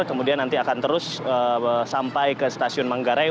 kemudian nanti akan terus sampai ke stasiun manggarai